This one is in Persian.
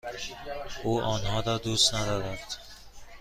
او آنها را دوست ندارد.